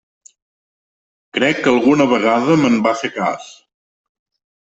Crec que alguna vegada me'n va fer cas.